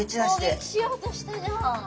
攻撃しようとしたじゃん。